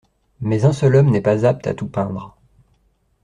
Mais un seul homme n'est pas apte à tout peindre.